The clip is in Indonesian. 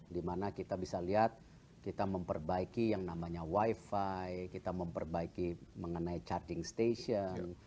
dimana kita bisa lihat kita memperbaiki yang namanya wifi kita memperbaiki mengenai charging station